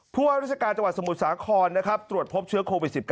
ว่าราชการจังหวัดสมุทรสาครนะครับตรวจพบเชื้อโควิด๑๙